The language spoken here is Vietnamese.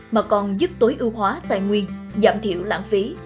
mà còn giúp tối ưu hóa tài nguyên giảm thiểu lãng phí